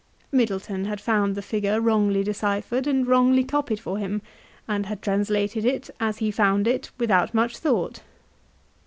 Middleton had found the figure wrongly deciphered and wrongly copied for him, and had trans lated it as he found it, without much thought.